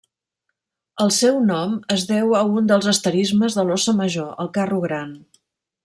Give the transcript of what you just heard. El seu nom es deu a un dels asterismes de l'Óssa Major, el Carro Gran.